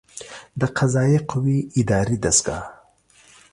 د قضائیه قوې اداري دستګاه